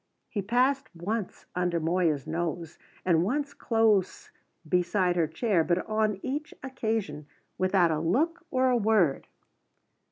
He passed once under Moya's nose, and once close beside her chair, but on each occasion without a look or a word.